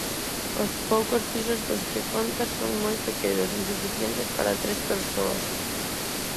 Os poucos pisos cos que conta son moi pequenos, insuficientes para tres persoas.